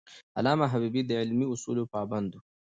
علامه حبیبي د علمي اصولو پابند و.